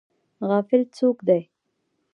غافل څوک دی؟